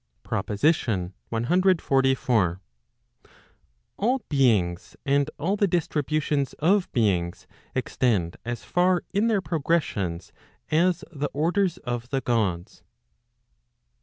PROPOSITION CXLIV. AH beings, and all the distributions of beings, extend as far in their progressions, as the orders of the Gods.